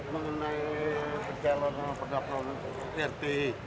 mengenai penyalon penyakit rt